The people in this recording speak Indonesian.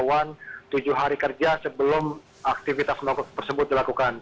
kita harus memberitahuan tujuh hari kerja sebelum aktivitas mogok tersebut dilakukan